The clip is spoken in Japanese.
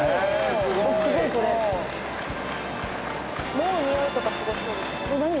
「もう匂いとかすごそうですね」